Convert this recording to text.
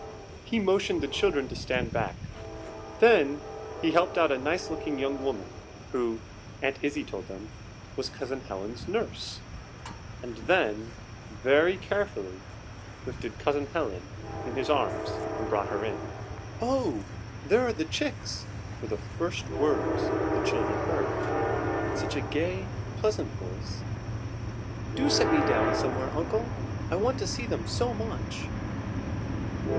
He motioned the children to stand back. Then he helped out a nice looking young woman, who, Aunt Izzie told them, was Cousin Helen's nurse, and then, very carefully, lifted Cousin Helen in his arms and brought her in. "Oh, there are the chicks!" were the first words the children heard, in such a gay, pleasant voice. "Do set me down somewhere, uncle. I want to see them so much!"